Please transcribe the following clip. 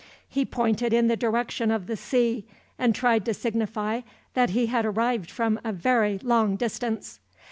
He pointed in the direction of the sea, and tried to signify that he had arrived from a very long distance.